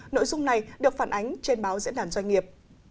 nội dung này được phản ánh trên báo diễn đàn doanh nghiệp